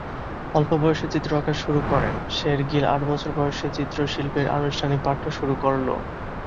অল্প বয়সে চিত্র আঁকা শুরু করেন, শের-গিল আট বছরের বয়সে চিত্রশিল্পের আনুষ্ঠানিক পাঠ্য শুরু করলো।